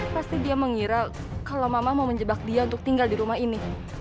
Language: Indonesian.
pasti dia mengira kalau mama mau menjebak dia untuk tinggal di rumah ini